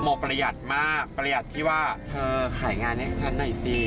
ประหยัดมากประหยัดที่ว่าเธอขายงานให้ฉันหน่อยสิ